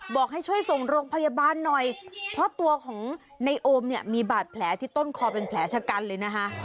บอกให้ช่วยส่งโรงพยาบาลหน่อยเพราะตัวของในโอมเนี่ยมีบาดแผลที่ต้นคอเป็นแผลชะกันเลยนะคะ